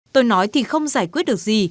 tôi nói thì không giải quyết được gì